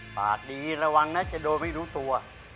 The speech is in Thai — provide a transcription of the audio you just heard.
ปากดีระวังนะจะโดยไม่รู้ตัว